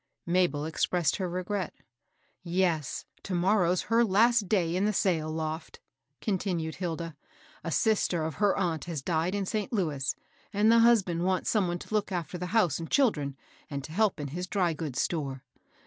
Mabel expressed her regret. Yes, to moiTow's her last day in the sail loft,*' continued Hilda. " A sister of her aunt has died in St. Louis, and the husband wants some one to look after the house and children, and to help in his dry goods store.